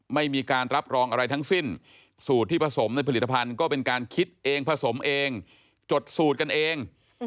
ไม่มีการรับรองอะไรทั้งสิ้นสูตรที่ผสมในผลิตภัณฑ์ก็เป็นการคิดเองผสมเองจดสูตรกันเอง